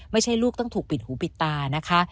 ลูกต้องถูกปิดหูปิดตานะคะ